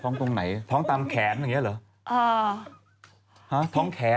ท้องตรงไหนท้องตามแขนนี้เหรอ